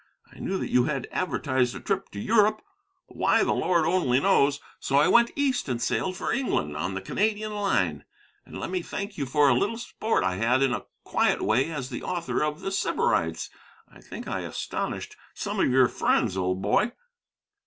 I knew that you had advertised a trip to Europe (why, the Lord only knows), so I went East and sailed for England on the Canadian Line. And let me thank you for a little sport I had in a quiet way as the author of The Sybarites. I think I astonished some of your friends, old boy.'"